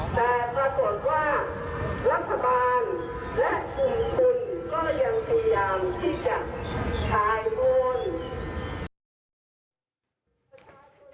แต่ปรากฏว่ารัฐบาลและกลุ่มทุนก็ยังพยายามที่จะถ่ายโอน